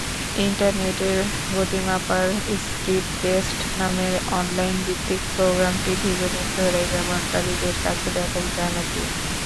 ইন্টারনেটের গতি মাপার স্পিডটেস্ট নামের অনলাইনভিত্তিক প্রোগ্রামটি দীর্ঘদিন ধরেই ব্যবহারকারীদের কাছে ব্যাপক জনপ্রিয়।